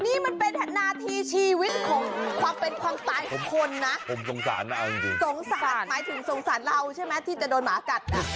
คุณดูนี่มันเป็นหน้าที่ชีวิตของความเป็นความตายของคนนะสงสารหมายถึงสงสารเราใช่ไหมที่จะโดนหมากัด